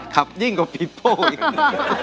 ครับยิ่งกว่าปีโปล่อีก